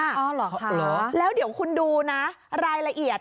อ้าวเหรอคะหรือแล้วเดี๋ยวคุณดูนะรายละเอียด